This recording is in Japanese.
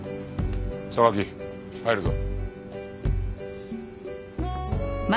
榊入るぞ。